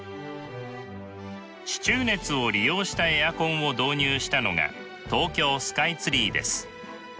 地中熱を利用したエアコンを導入したのが東京スカイツリーです。